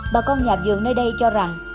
bà con nhạc dường nơi đây cho rằng